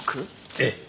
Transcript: ええ。